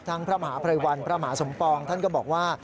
พระมหาภัยวันพระมหาสมปองท่านก็บอกว่า